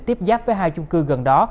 tiếp giáp với hai chung cư gần đó